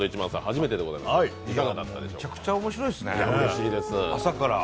めちゃくちゃ面白いですね、朝から。